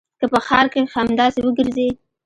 که په ښار کښې همداسې وګرځې.